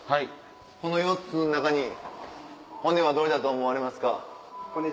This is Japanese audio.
この４つ骨はどれだと思われますか？